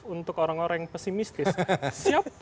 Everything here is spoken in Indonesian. untuk orang orang yang pesimistis